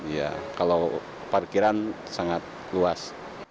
ya kalau parkiran sangat luas